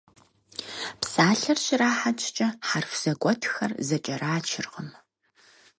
Псалъэр щрахьэкӀкӀэ хьэрф зэгуэтхэр зэкӀэрачыркъым.